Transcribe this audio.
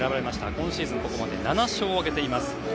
今シーズン、ここまで７勝を挙げています。